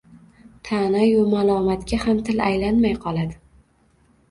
ta’nayu malomatga ham til aylanmay qoladi.